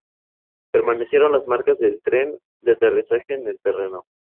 Permanecieron las marcas del tren de aterrizaje en el terreno.